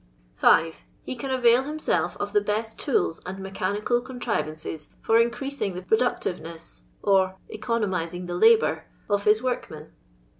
(5) He can avail himself of the best I tools and mechanical contrivances for increasing ' the productiveness or " economizing the labour" of his workmen.